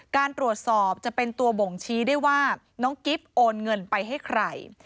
การตรวจสอบจะเป็นตัวบ่งชี้ได้ว่าน้องกิ๊บโอนเงินไปให้ใคร